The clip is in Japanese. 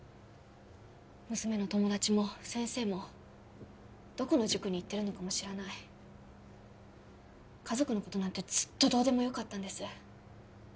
娘の友達も先生もどこの塾に行ってるのかも知らない家族のことなんてずっとどうでもよかったんです